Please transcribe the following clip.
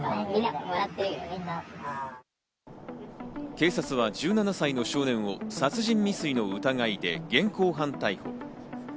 警察は１７歳の少年を殺人未遂の疑いで現行犯逮捕。